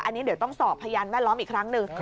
อันนี้เดี๋ยวต้องสอบพยานแวดล้อมอีกครั้งหนึ่ง